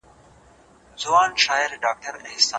آیا ته به زما د نوي کلي په پرانیستغونډه کې ګډون وکړې؟